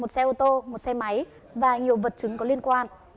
một xe ô tô một xe máy và nhiều vật chứng có liên quan